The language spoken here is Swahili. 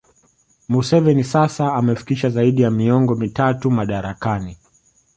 Museveni sasa amefikisha zaidi ya miongo mitatu madarakani